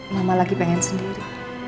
mama lagi pengen sendiri